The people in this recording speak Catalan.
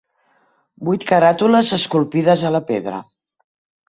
Vuit caràtules esculpides a la pedra.